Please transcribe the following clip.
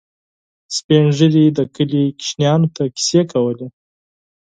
سپين ږیري د کلي ماشومانو ته کیسې کولې.